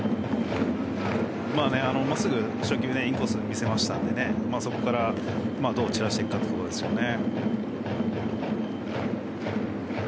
まっすぐ初球インコース、見せたのでそこからどう散らしていくかというところですね。